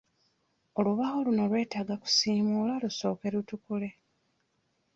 Olubaawo luno lwetaaga kusiimuula lusooke lutukule.